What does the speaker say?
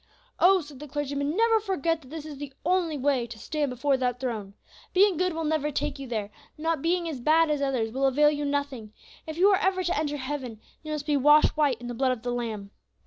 "Oh!" said the clergyman, "never forget that this is the only way to stand before that throne. Being good will never take you there, not being as bad as others will avail you nothing; if you are ever to enter heaven, you must be washed white in the blood of the Lamb.